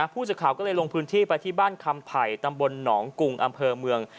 ผู้สื่อข่าวก็เลยลงพื้นที่ไปที่บ้านคำไผ่ตำบลหนองกุงอำเภอเมือง